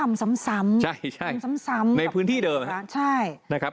แล้วทำซ้ำใช่ในพื้นที่เดิมนะครับ